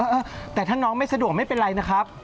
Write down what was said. เออแต่ถ้าน้องไม่สะดวกไม่เป็นไรนะครับ